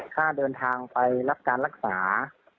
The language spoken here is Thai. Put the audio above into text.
ค่าเดินทางไปรับการรักษา